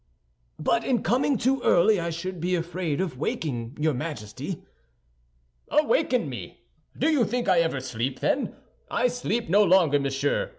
"But in coming too early I should be afraid of awakening your Majesty." "Awaken me! Do you think I ever sleep, then? I sleep no longer, monsieur.